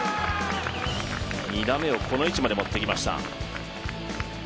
２打目をこの位置まで持ってきました。